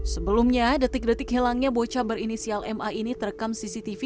sebelumnya detik detik hilangnya bocah berinisial ma ini terekam cctv